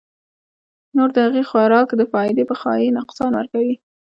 نو د هغې خوراک د فائدې پۀ ځائے نقصان ورکوي -